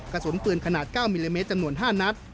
กระสุนปืนขนาด๙มิลลิเมตรจำนวน๕นัด